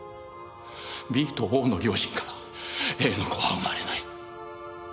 ＢとＯの両親からＡの子は生まれない。